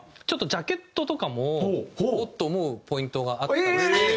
ちょっとジャケットとかもおっと思うポイントがあったりして。